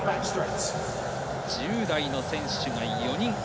１０代の選手が４人。